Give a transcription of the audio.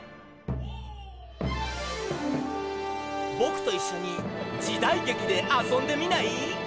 ぼくといっしょにじだいげきであそんでみない？